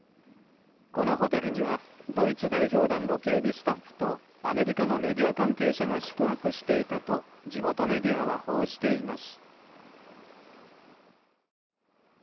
このホテルにはドイツ代表団の警備スタッフとアメリカのメディア関係者が宿泊していたと地元メディアは報じています。